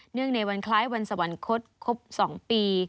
เนื่องในวันคล้ายวันสวรรคศครบ๒ปี